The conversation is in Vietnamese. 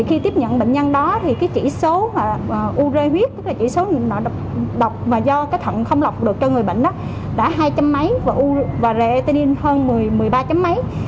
khi tiếp nhận bệnh nhân đó thì chỉ số u reo viết chỉ số độc và do thận không lọc được cho người bệnh đã hai trăm linh mấy và u reo viết hơn một mươi ba mấy